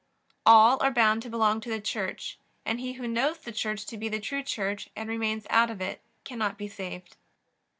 All are bound to belong to the Church, and he who knows the Church to be the true Church and remains out of it cannot be saved.